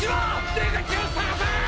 出口を探せー！